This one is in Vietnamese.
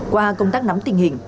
qua công tác nắm tình hình